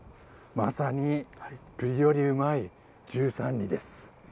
まさに、くりよりうまい十三里です。